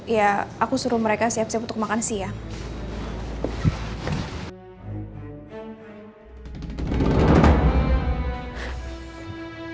ya aku suruh mereka siap siap untuk makan siang